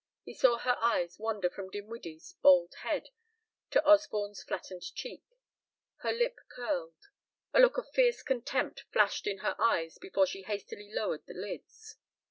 He saw her eyes wander from Dinwiddie's bald head to Osborne's flattened cheek ... her lip curled, a look of fierce contempt flashed in her eyes before she hastily lowered the lids.